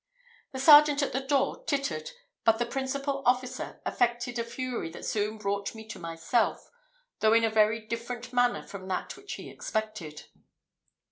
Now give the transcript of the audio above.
The sergeant at the door tittered; but the principal officer affected a fury that soon brought me to myself, though in a very different manner from that which he expected.